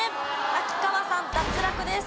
秋川さん脱落です。